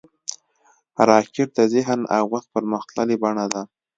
راکټ د ذهن او وس پرمختللې بڼه ده